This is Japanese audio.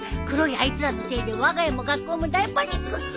黒いあいつらのせいでわが家も学校も大パニック。